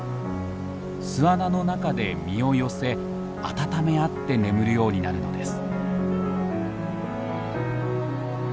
巣穴の中で身を寄せ温め合って眠るようになるのです。